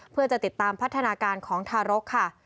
เพื่อจะติดตามพัฒนาการของทารกค่ะ